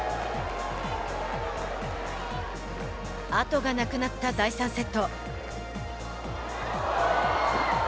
あとがなくなった第３セット。